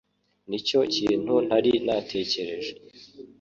Nicyo kintu ntari natekereje.